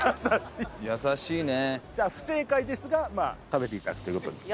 じゃあ不正解ですが食べていただくという事で。